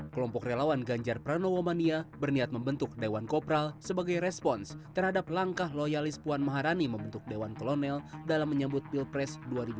kelompok relawan ganjar pranowo mania berniat membentuk dewan kopral sebagai respons terhadap langkah loyalis puan maharani membentuk dewan kolonel dalam menyambut pilpres dua ribu dua puluh